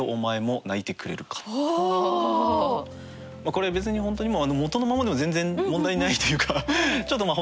これ別に本当に元のままでも全然問題ないというかまあ